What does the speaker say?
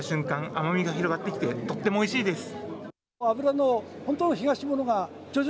甘みが広がってきてとってもおいしいです。